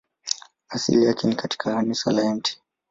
Asili yake ni katika kanisa la Mt.